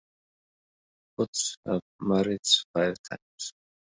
Koch was married five times.